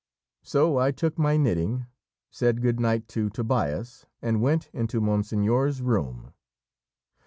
So I took my knitting, said good night to Tobias, and went into monseigneur's room.